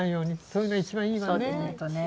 それが一番いいわね。